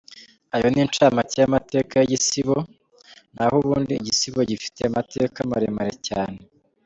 Ayo ni incamake y’amateka y’igisibo, naho ubundi igisibo gifite amateka maremare cyane.